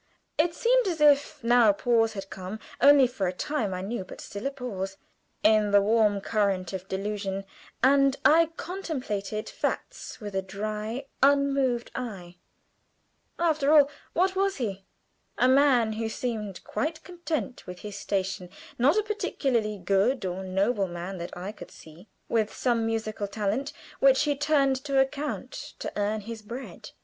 It seemed as if now a pause had come (only for a time, I knew, but still a pause) in the warm current of delusion, and I contemplated facts with a dry, unmoved eye. After all what was he? A man who seemed quite content with his station not a particularly good or noble man that I could see; with some musical talent which he turned to account to earn his bread.